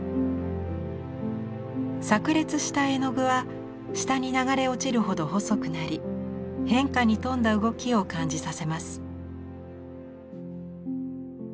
さく裂した絵の具は下に流れ落ちるほど細くなり変化に富んだ動きを感じさせます。